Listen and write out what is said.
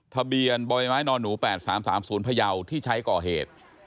ทะเบียนบรมไม้นอนหนู๘๓๓ศูนย์พระเยาที่ใช้ก่อเหตุ